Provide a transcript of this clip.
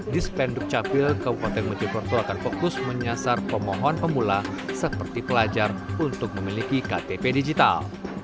di spenduk capil kabupaten mojokerto akan fokus menyasar pemohon pemula seperti pelajar untuk memiliki ktp digital